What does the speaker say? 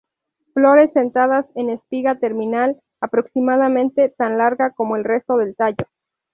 Flores sentadas en espiga terminal, aproximadamente tan larga como el resto del tallo.